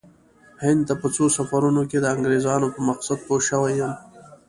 هند ته په څو سفرونو کې د انګریزانو په مقصد پوه شوی یم.